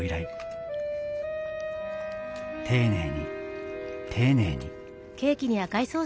丁寧に丁寧に。